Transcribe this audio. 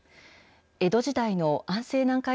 江戸時代の安政南海